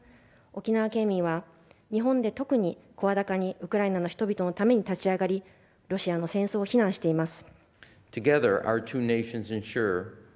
沖縄県民は日本で特に声高にウクライナの人々のために立ち上がりロシアの戦争を非難しています。